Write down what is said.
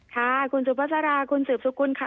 ค่ะคุณสุภาษาราคุณสืบสกุลค่ะ